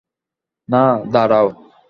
না, দাঁড়াও।